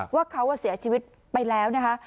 ว่าเขาเสียชีวิตไปแล้วนะคะ